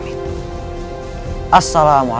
hidup raden walang susah